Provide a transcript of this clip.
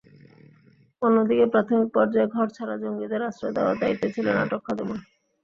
অন্যদিকে, প্রাথমিক পর্যায়ে ঘরছাড়া জঙ্গিদের আশ্রয় দেওয়ার দায়িত্বে ছিলেন আটক খাদেমুল।